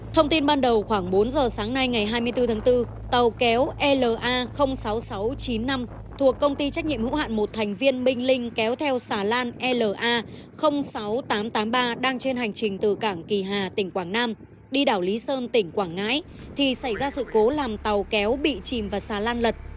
thông tin ban đầu khoảng bốn giờ sáng nay ngày hai mươi bốn tháng bốn tàu kéo la sáu nghìn sáu trăm chín mươi năm thuộc công ty trách nhiệm hữu hạn một thành viên minh linh kéo theo xà lan la sáu nghìn tám trăm tám mươi ba đang trên hành trình từ cảng kỳ hà tỉnh quảng nam đi đảo lý sơn tỉnh quảng ngãi thì xảy ra sự cố làm tàu kéo bị chìm vào xà lan lật